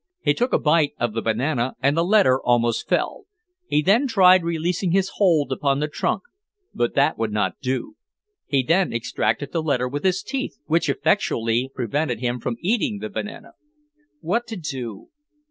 He took a bite of the banana and the letter almost fell. He then tried releasing his hold upon the trunk but that would not do. He then extracted the letter with his teeth which effectually prevented him from eating the banana. What to do?